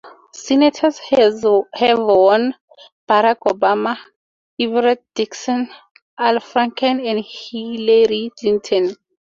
Senators have won: Barack Obama, Everett Dirksen, Al Franken, and Hillary Clinton.